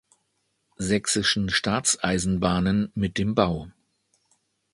Sächsischen Staatseisenbahnen mit dem Bau.